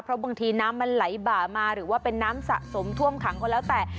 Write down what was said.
เพราะบางทีน้ำมันไหลบ่ามาหรือว่าเป็นน้ำสะสมท่วมขังก็แล้วแต่